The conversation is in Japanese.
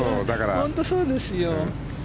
本当にそうですよ。